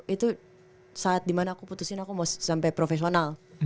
itu saat dimana aku putusin aku mau sampai profesional